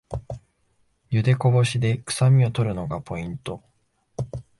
ゆでこぼしでくさみを取るのがポイント